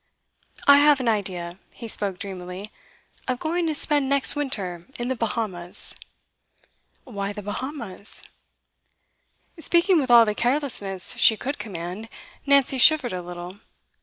'I have an idea' he spoke dreamily 'of going to spend next winter in the Bahamas.' 'Why the Bahamas?' Speaking with all the carelessness she could command, Nancy shivered a little.